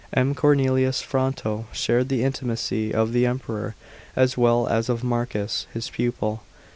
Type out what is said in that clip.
M. Cornelius Fronto shared the intimacy of the Emperor as well as of Marcus, his pupil.